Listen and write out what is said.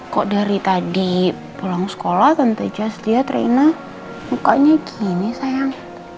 kok dari tadi pulang sekolah tante jas liat rina mukanya gini sayang